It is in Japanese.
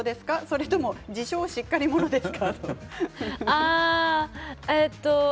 それとも自称しっかり者ですか？